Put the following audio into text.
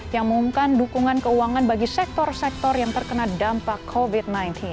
yang mengumumkan dukungan keuangan bagi sektor sektor yang terkena dampak covid sembilan belas